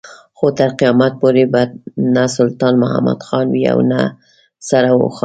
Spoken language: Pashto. خو تر قيامت پورې به نه سلطان محمد خان وي او نه سره اوښان.